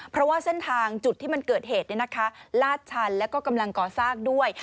เพราะว่าเส้นทางจุดที่มันเกิดเหตุลาดชันแล้วก็กำลังก่อสร้างด้วย